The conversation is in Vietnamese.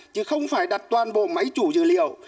chứ không phải đặt toàn bộ máy chủ dữ liệu